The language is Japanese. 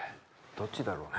どっちだろうね？